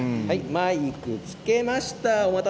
マイクをつけました。